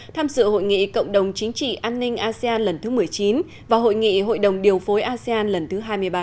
tham dự hội nghị cộng đồng chính trị an ninh asean lần thứ một mươi chín và hội nghị hội đồng điều phối asean lần thứ hai mươi ba